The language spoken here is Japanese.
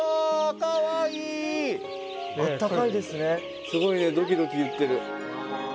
すごいドキドキいってる。